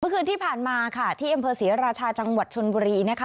เมื่อคืนที่ผ่านมาค่ะที่เอ็มเฟิร์ดศรีรรชาจังหวัดชนบุรีนะคะ